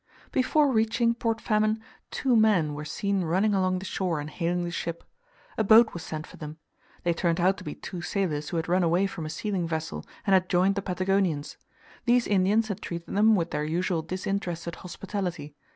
Before reaching Port Famine, two men were seen running along the shore and hailing the ship. A boat was sent for them. They turned out to be two sailors who had run away from a sealing vessel, and had joined the Patagonians. These Indians had treated them with their usual disinterested hospitality.